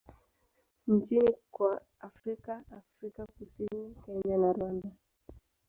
nchini kwa Afrika Afrika Kusini, Kenya na Rwanda.